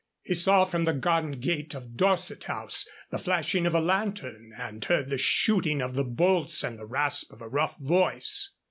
He saw from the garden gate of Dorset House the flashing of a lantern and heard the shooting of the bolts and the rasp of a rough voice.